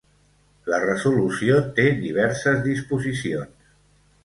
La resolució té diverses disposicions.